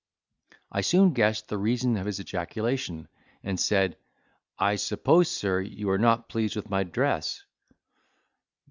I soon guessed the reason of his ejaculation, and said, "I suppose, sir, you are not pleased with my dress."